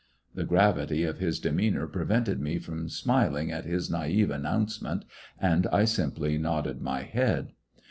The gravity of his demeanor prevented me from smiling at this naive announcement, and I simply nodded my head.